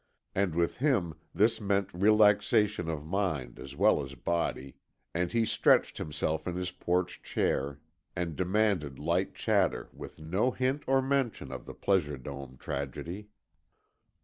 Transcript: And with him, this meant relaxation of mind as well as body, and he stretched himself in his porch chair, and demanded light chatter, with no hint or mention of the Pleasure Dome tragedy.